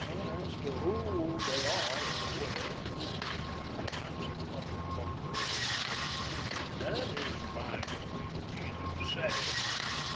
"As to who they are or were," the captain answered, puffing thoughtfully at his pipe, "that is by no means easy to say.